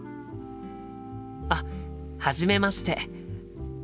あっはじめまして。